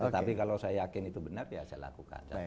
tetapi kalau saya yakin itu benar ya saya lakukan